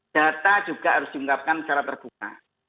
data juga harus diungkapkan secara terbuka